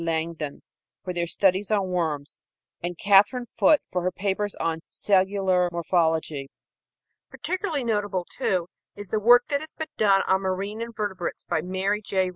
Langdon for their studies on worms, and Katherine Foot for her papers on cellular morphology. Particularly notable, too, is the work that has been done on marine invertebrates by Mary J.